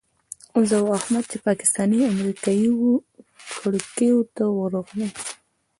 زه او احمد چې پاکستاني امریکایي وو کړکیو ته ورغلو.